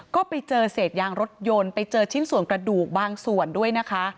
ก็ไปเจอเศษยางรถยนต์ไปเจอชิ้นส่วนกระดูกบางส่วนด้วยนะคะ